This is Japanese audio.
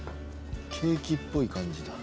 「ケーキっぽい感じだ」